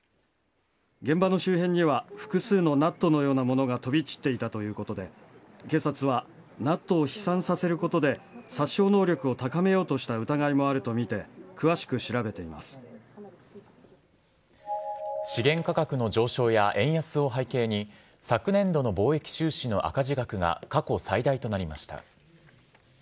現場の周辺には、複数のナットのようなものが飛び散っていたということで警察はナットを飛散させることで殺傷能力を高めようとした疑いもあるとみて昨年度の貿易収支の赤字額が過去最大となりました。